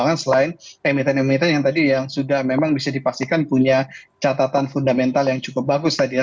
karena selain emiten emiten yang tadi yang sudah memang bisa dipastikan punya catatan fundamental yang cukup bagus tadi ya